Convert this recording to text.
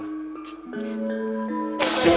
ada masalah apa